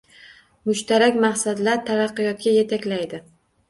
Mushtarak maqsadlar taraqqiyotga yetaklaydi